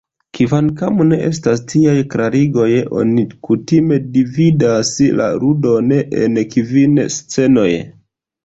Kvankam ne estas tiaj klarigoj oni kutime dividas la ludon en kvin scenoj.